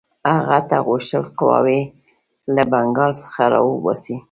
هغه نه غوښتل قواوې له بنګال څخه را وباسي.